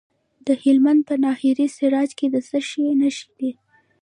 د هلمند په ناهري سراج کې د څه شي نښې دي؟